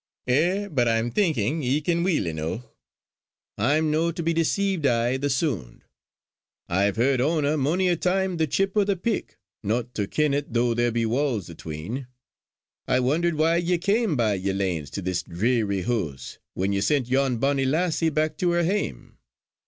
"Eh! but I'm thinkin' ye ken weel eneuch. I'm no to be deceived i' the soond. I've heard ower mony a time the chip o' the pick, not to ken it though there be walls atween. I wondered why ye came by yer lanes to this dreary hoose when ye sent yon bonnie lassie back to her hame.